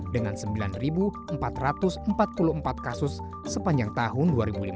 dengan sembilan empat ratus empat puluh empat kasus sepanjang tahun dua ribu lima belas